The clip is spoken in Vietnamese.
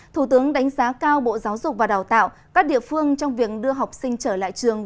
thủ tướng đánh giá cao bộ giáo dục và đào tạo các địa phương trong việc đưa học sinh trở lại trường